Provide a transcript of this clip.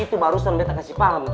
itu baru serem betakasih paham nadif